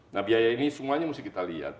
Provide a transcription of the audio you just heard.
nah biaya ini semuanya mesti kita lihat